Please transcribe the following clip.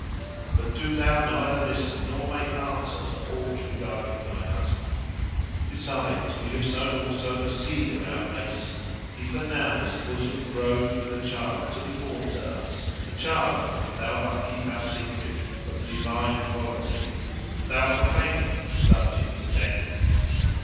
But do thou neither listen nor make answer to aught regarding thy husband. Besides, we have sown also the seed of our race. Even now this bosom grows with a child to be born to us, a child, if thou but keep our secret, of divine quality; if thou profane it, subject to death."